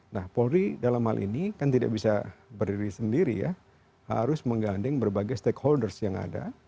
nah polri dalam hal ini kan tidak bisa berdiri sendiri ya harus menggandeng berbagai stakeholders yang ada